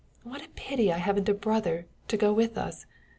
What a pity I haven't a brother, to go with us!